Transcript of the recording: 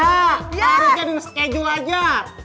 harusnya di neskejul aja